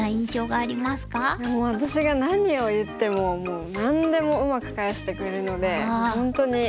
いや私が何を言ってももう何でもうまく返してくれるので本当に心が。